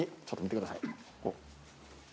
ちょっと見てください。